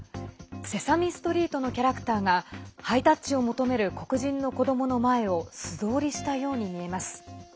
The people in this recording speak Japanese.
「セサミストリート」のキャラクターがハイタッチを求める黒人の子どもの前を素通りしたように見えます。